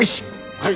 はい！